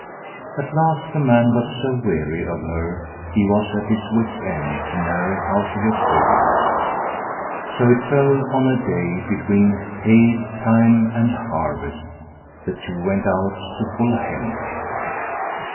At last the man got so weary of her, he was at his wits' end to know how to get rid of her. So it fell on a day, between hay time and harvest, the two went out to pull hemp.